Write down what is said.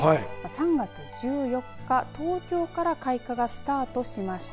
３月１４日、東京から開花がスタートしました。